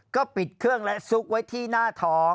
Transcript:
ก็ปิดเครื่องและซุกไว้ที่หน้าท้อง